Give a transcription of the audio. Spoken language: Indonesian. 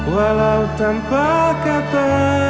walau tanpa kata